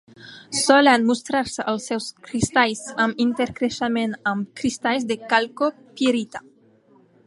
Solen mostrar-se els seus cristalls amb intercreixement amb cristalls de calcopirita.